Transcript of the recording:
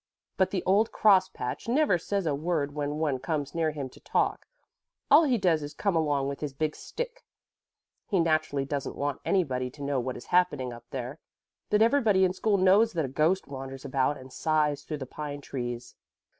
But the old crosspatch never says a word when one comes near him to talk; all he does is to come along with his big stick. He naturally doesn't want anybody to know what is happening up there, but everybody in school knows that a ghost wanders about and sighs through the pine trees."